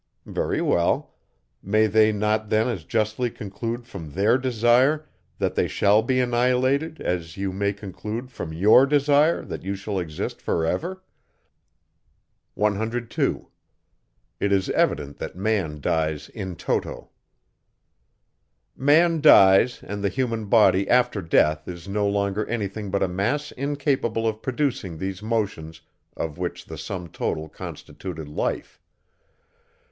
Very well: may they not then as justly conclude, from their desire, that they shall be annihilated, as you may conclude from your desire, that you shall exist for ever. 102. Man dies, and the human body after death is no longer anything but a mass incapable of producing those motions, of which the sum total constituted life.